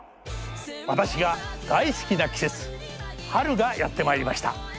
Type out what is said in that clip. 私が大好きな季節春がやってまいりました。